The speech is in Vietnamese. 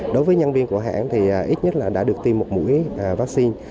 đối với nhân viên của hãng thì ít nhất là đã được tiêm một mũi vaccine